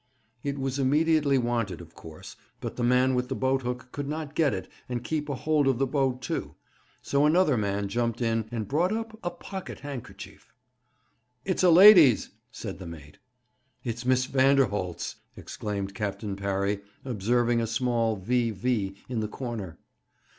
It was immediately wanted, of course, but the man with the boathook could not get it and keep a hold of the boat, too; so another man jumped in and brought up a pocket handkerchief. 'It's a lady's,' said the mate. 'It's Miss Vanderholt's!' exclaimed Captain Parry, observing a small 'V. V.' in the corner.